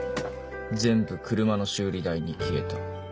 全部車の修理代に消えた。